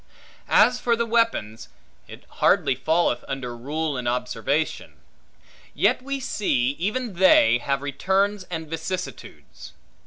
As for the weapons, it hardly falleth under rule and observation: yet we see even they, have returns and vicissitudes.